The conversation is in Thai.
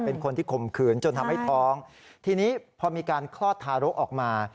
เป็นคนที่ข่มขืนจนทำให้ท้องทีนี้พอมีการคลอดทารกออกมา